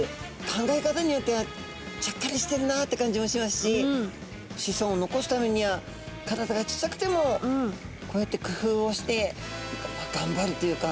考え方によってはちゃっかりしてるなって感じもしますし子孫を残すためには体が小さくてもこうやってくふうをしてがんばるというか。